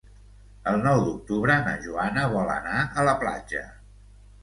El nou d'octubre na Joana vol anar a la platja.